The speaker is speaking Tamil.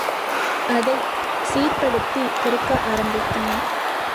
அதைச் சீர்படுத்தி, பெருக்க ஆரம்பித்தான்.